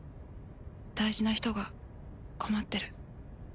「大事な人が困ってる」。